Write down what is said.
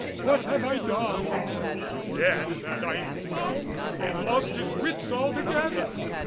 What have I done!" to the end that I thought he had lost his wits altogether.